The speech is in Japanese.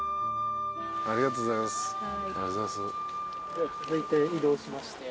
ありがとうございます。